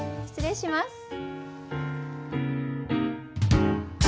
失礼します。